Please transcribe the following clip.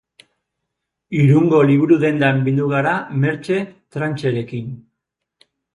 Irungo liburu-dendan bildu gara Mertxe Trancherekin.